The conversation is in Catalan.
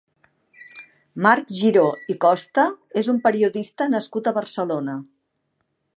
Marc Giró i Costa és un periodista nascut a Barcelona.